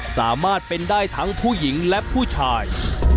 สามารถเป็นได้ทั้งผู้หญิงและผู้ชาย